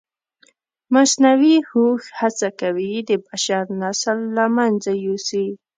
مصنوعي هوښ هڅه کوي د بشر نسل له منځه یوسي.